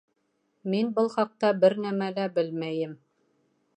Мин был хаҡта бер нәмә лә белмәйем.